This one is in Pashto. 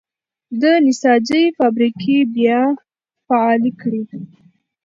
د نساجۍ فابریکې بیا فعالې کړئ.